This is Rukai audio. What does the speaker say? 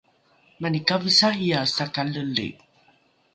mani kavisariae sakaleli